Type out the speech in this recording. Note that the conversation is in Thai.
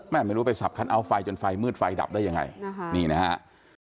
ไม่รู้ไปสับคัทเอาท์ไฟจนไฟมืดไฟดับได้ยังไงนะคะนี่นะครับ